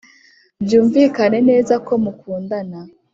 byumvikane neza ko mukundana